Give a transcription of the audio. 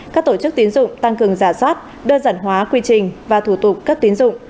các tổ chức tiến dụng tăng cường giả soát đơn giản hóa quy trình và thủ tục cấp tiến dụng